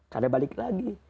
karena balik lagi